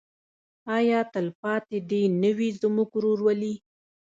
آیا تلپاتې دې نه وي زموږ ورورولي؟